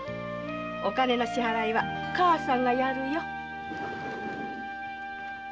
お金の支払いは母さんがやるよ。